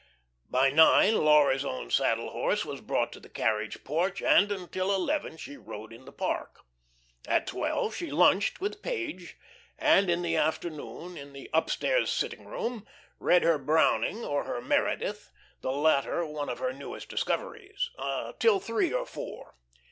By nine Laura's own saddle horse was brought to the carriage porch, and until eleven she rode in the park. At twelve she lunched with Page, and in the afternoon in the "upstairs sitting room" read her Browning or her Meredith, the latter one of her newest discoveries, till three or four.